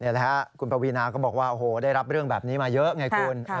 นี่แหละครับคุณปวีนาก็บอกว่าโอ้โหได้รับเรื่องแบบนี้มาเยอะไงคุณ